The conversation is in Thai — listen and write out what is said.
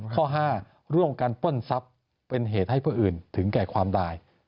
ข้อ๕ร่วมกันปล้นทรัพย์เป็นเหตุให้ผู้อื่นถึงแก่ความตาย